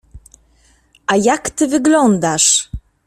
A jak ty wyglądasz!